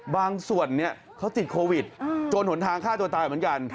บางส่วนเขาติดโควิดจนหนทางฆ่าตัวตายเหมือนกัน